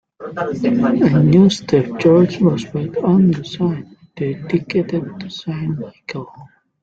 A new stave church was built on the site, dedicated to Saint Michael.